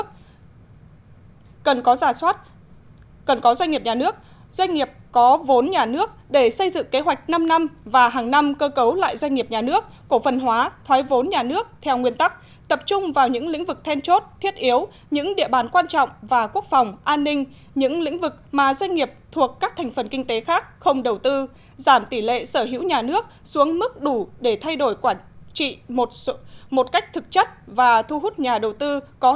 hai cần có doanh nghiệp nhà nước doanh nghiệp có vốn nhà nước để xây dựng kế hoạch năm năm và hàng năm cơ cấu lại doanh nghiệp nhà nước cổ phần hóa thoái vốn nhà nước theo nguyên tắc tập trung vào những lĩnh vực then chốt thiết yếu những địa bàn quan trọng và quốc phòng an ninh những lĩnh vực mà doanh nghiệp thuộc các thành phần kinh tế khác không đầu tư giảm tỷ lệ sở hữu nhà nước xuống mức đủ để thay đổi quản trị một cách thực chất và thu hút nhà đầu tư có quyền